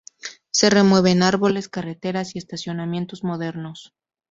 Se remueven árboles, carreteras y estacionamientos modernos.